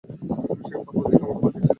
তুমি সেই পর্ব থেকে আমাকে বাদ দিয়েছিলে।